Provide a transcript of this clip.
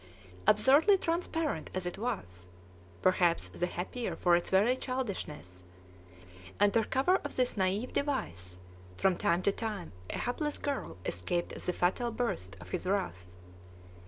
Absurdly transparent as it was, perhaps the happier for its very childishness, under cover of this naive device from time to time a hapless girl escaped the fatal burst of his wrath.